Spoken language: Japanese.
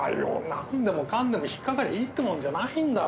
なんでもかんでも引っ掛かりゃいいってもんじゃないんだよ。